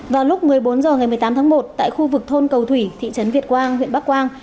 vào lúc một mươi bốn h ngày một mươi tám tháng một tại khu vực thôn cầu thủy thị trấn việt quang huyện bắc quang